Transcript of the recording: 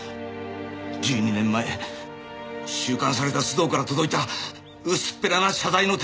１２年前収監された須藤から届いた薄っぺらな謝罪の手紙の事は！